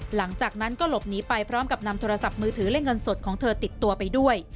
หลังจากนั้นก็หลบหนีไปพร้อมกับนำโทรศัพท์มือถือและเงินสดของเธอติดตัวไปด้วย